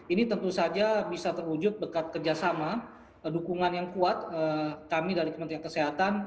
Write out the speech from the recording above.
ini tentu saja bisa terwujud berkat kerjasama dukungan yang kuat kami dari kementerian kesehatan